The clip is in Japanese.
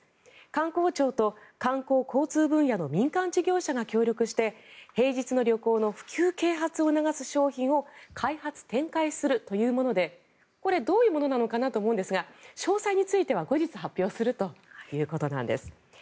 観光庁と観光・交通分野の民間事業者が協力して平日の旅行の普及・啓発を促す商品を開発・展開するというものでこれ、どういうものなのかなと思うんですが詳細については、後日発表するということなんです。